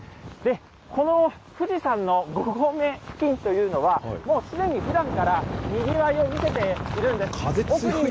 この富士山の５合目付近というのは、もうすでにふだんからにぎわ風強いですね。